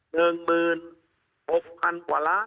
เงินหมื่น๖๐๐๐บาทกว่าล้าง